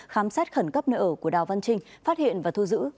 khám xét khẩn cấp nơi ở của đào văn trinh phát hiện và thu giữ